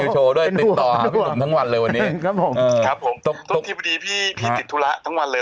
ติดต่อพี่หนุ่มทั้งวันเลยวันนี้ครับผมทุกทีพอดีพี่ติดธุระทั้งวันเลย